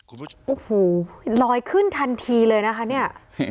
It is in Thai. โอ้โหรอยขึ้นทันทีเลยนะคะเนี่ย